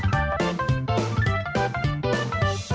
สวัสดีตัวเนี่ยอุโทษทีครับ